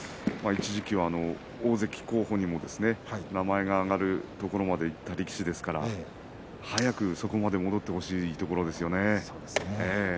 一時期は大関候補にも名前が上がるところまでいった力士ですから早くそこまで戻ってほしいところですね。